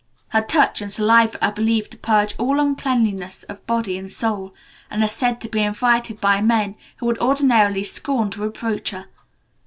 Her touch and saliva are believed to purge all uncleanliness of body and soul, and are said to be invited by men who would ordinarily scorn to approach her.